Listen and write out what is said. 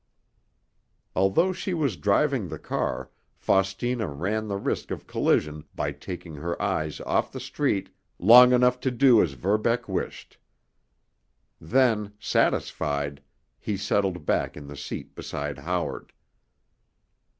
Although she was driving the car, Faustina ran the risk of collision by taking her eyes off the street long enough to do as Verbeck wished. Then, satisfied, he settled back in the seat beside Howard.